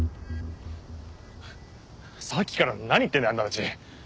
さっきから何言ってんだあんたたち。